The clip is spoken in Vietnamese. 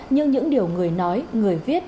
nhưng những điều người nói người viết